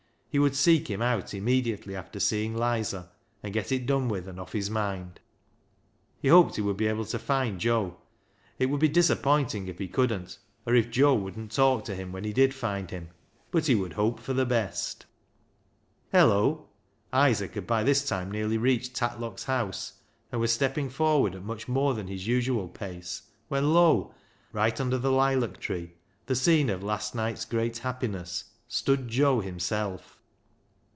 He would seek him out immediately after seeing Lizer, and get it done with and off his mind. He hoped he would be able to find Joe. It would be disappointing if he couldn't, or if Joe wouldn't talk to him when he did find him, but he would hope for the best. Hello ! Isaac had by this time nearly reached Tatlock's house, and was stepping forward at much more than his usual pace, when lo ! right under the lilac tree, the scene of last night's great happiness, stood Joe himself.